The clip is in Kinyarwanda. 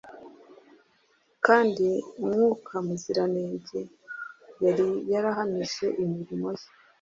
kandi Mwuka Muziranenge yari yarahamije imirimo ye